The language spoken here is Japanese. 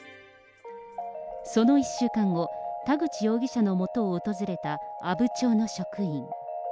その１週間後、田口容疑者のもとを訪れた阿武町の職員。